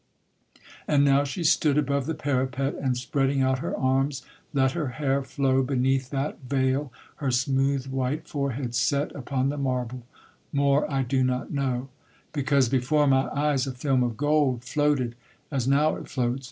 And now she stood above the parapet, And, spreading out her arms, let her hair flow, Beneath that veil her smooth white forehead set Upon the marble, more I do not know; Because before my eyes a film of gold Floated, as now it floats.